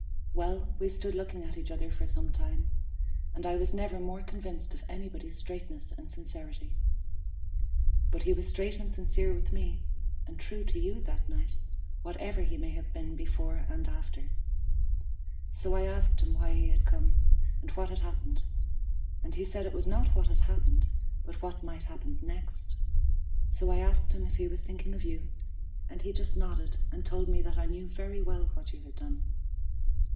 "Well, we stood looking at each other for some time, and I was never more convinced of anybody's straightness and sincerity; but he was straight and sincere with me, and true to you that night, whatever he may have been before and after. So I asked him why he had come, and what had happened; and he said it was not what had happened, but what might happen next; so I asked him if he was thinking of you, and he just nodded, and told me that I knew very well what you had done.